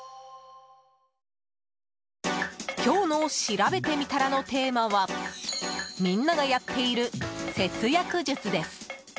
今日のしらべてみたらのテーマはみんながやっている節約術です。